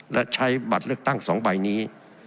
และใช้บัตรเลือกตั้ง๒ใบนี้